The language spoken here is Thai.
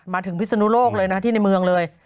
พิศนุโลกเลยนะที่ในเมืองเลย